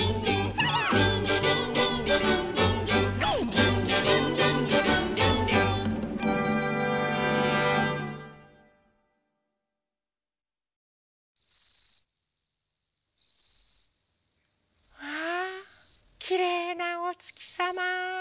「リンリリンリンリリンリンリン」わきれいなおつきさま。